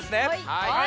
はい！